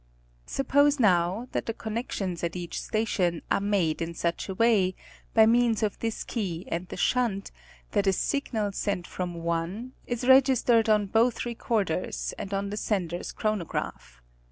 Suppose now, that the connections at each station are made in such a way, by means of this key and the shunt, that a signal sent from one, is registered on both recorders and on the sender's chronograph.